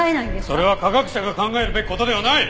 それは科学者が考えるべき事ではない！